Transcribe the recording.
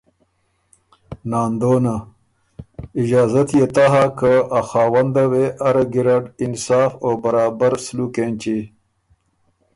ناندونه: اجازت يې تَۀ هۀ که ا خاونده وې اره ګیرډ انصاف او برابر سلوک اېنچی